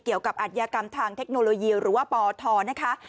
เกี่ยวกับอันยากรรมทางเทคโนโลยีหรือว่าปทนะคะ